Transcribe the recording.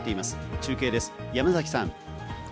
中継です、山崎さん。